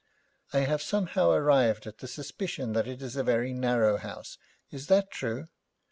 'I have somehow arrived at the suspicion that it is a very narrow house. Is that true?'